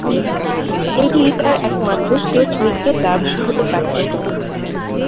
এটিই তার একমাত্র টেস্ট উইকেট লাভ হতে পারতো।